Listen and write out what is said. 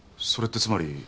それってつまり。